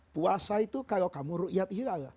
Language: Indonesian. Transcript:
puasa itu kalau kamu ruqyat hilal